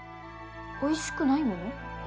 おいしくないもの？